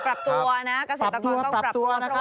ปรับตัวนะกระเศรษฐกรต้องปรับตัวนะครับ